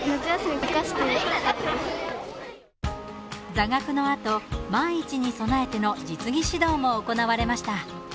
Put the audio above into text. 座学のあと、万一に備えての実技指導も行われました。